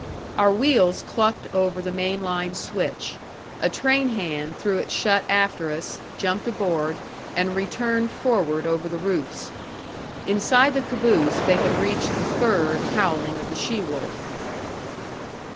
Our wheels clucked over the main line switch. A train hand threw it shut after us, jumped aboard, and returned forward over the roofs. Inside the caboose they had reached the third howling of the she wolf.